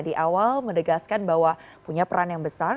di awal mendegaskan bahwa punya peran yang besar